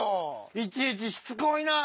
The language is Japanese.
いちいちしつこいなぁ！